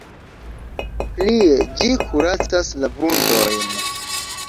Plie ĝi kuracas la vundojn.